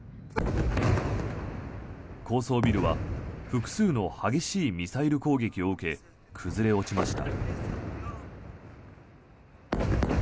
高層ビルは複数の激しいミサイル攻撃を受け崩れ落ちました。